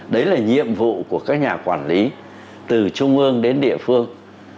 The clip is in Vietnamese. đấy là nhiệm vụ của các nhà quản lý từ trung ương đến địa phương